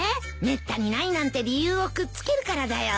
めったにないなんて理由をくっつけるからだよ。